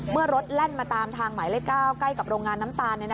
เมื่อรถแล่นมาตามทางหมายเลข๙ใกล้กับโรงงานน้ำตาล